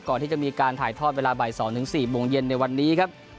ก่อนที่จะมีการถ่ายทอดเวลาบ่าย๒๔โมงเย็นในวันนี้ครับ